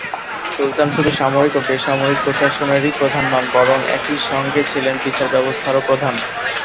সুলতান শুধু সামরিক ও বেসামরিক প্রশাসনেরই প্রধান নন, বরং একই সঙ্গে ছিলেন বিচারব্যবস্থারও প্রধান।